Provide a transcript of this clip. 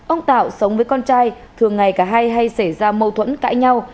ông tạo sống với con trai thường ngày cả hay hay xảy ra mâu thuẫn cãi nhau